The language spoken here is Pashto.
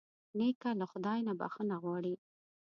نیکه له خدای نه بښنه غواړي.